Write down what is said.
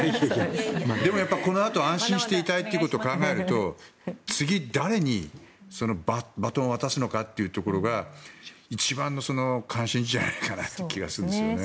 でもやっぱりこのあと安心していたいということを考えると次、誰にバトンを渡すのかっていうところが一番の関心事じゃないかなっていう気がするんですよね。